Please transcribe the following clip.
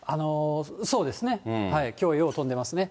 そうですね、きょう、よう飛んでますね。